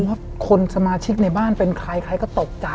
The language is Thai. ผมว่าคนสมาชิกในบ้านเป็นใครก็ตกใจ